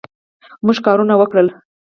موږ کارونه وکړل